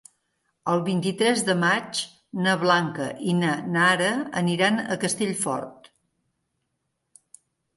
El vint-i-tres de maig na Blanca i na Nara aniran a Castellfort.